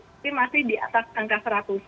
tapi masih di atas angka seratus